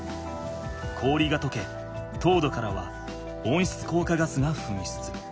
氷がとけ凍土からは温室効果ガスがふんしゅつ。